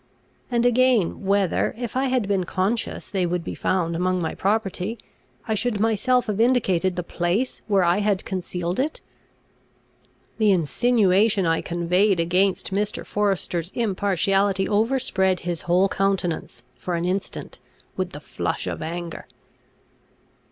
And again, whether, if I had been conscious they would he found among my property, I should myself have indicated the place where I had concealed it? The insinuation I conveyed against Mr. Forester's impartiality overspread his whole countenance, for an instant, with the flush of anger.